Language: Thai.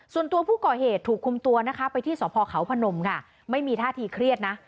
ส่วนตัวผู้ก่อเหตุถูกคุมตัวนะคะไปที่สพเขาพนมค่ะไม่มีท่าทีเครียดนะ